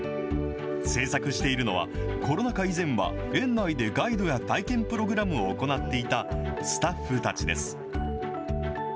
制作しているのは、コロナ禍以前は園内でガイドや体験プログラムを行っていたスタッフたちです。